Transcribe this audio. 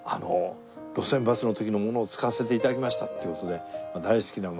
「『路線バス』の時のものを使わせて頂きました」って事で大好きなマヨネーズ。